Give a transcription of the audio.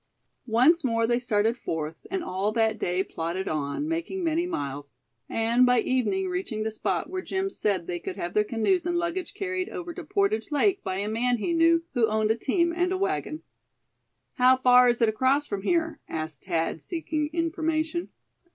Once more they started forth, and all that day plodded on, making many miles, and by evening reaching the spot where Jim said they could have their canoes and luggage carried over to Portage Lake by a man he knew, who owned a team and a wagon. "How far is it across from here?" asked Thad, seeking information.